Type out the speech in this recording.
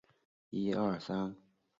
帕基人的主要职业是农业。